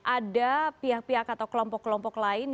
ada pihak pihak atau kelompok kelompok lain